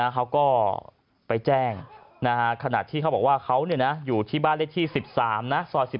เขาก็ไปแจ้งขณะที่เขาบอกว่าเขาอยู่ที่บ้านเลขที่๑๓นะซอย๑๑